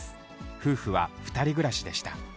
夫婦は２人暮らしでした。